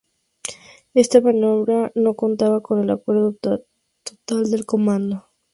Esta maniobra no contaba con el acuerdo total del comando.